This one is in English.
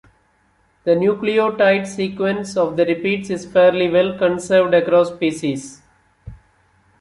The nucleotide sequence of the repeats is fairly well conserved across species.